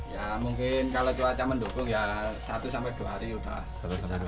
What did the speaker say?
ya mungkin kalau cuaca mendukung ya satu dua hari sudah